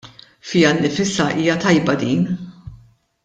Fiha nnifisha hija tajba din!